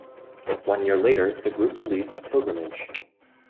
One year later, the group released "Pilgrimage".